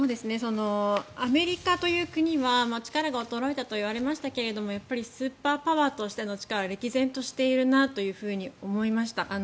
アメリカという国は力が衰えたといわれましたがやっぱりスーパーパワーとしての力は歴然としているなと思いました。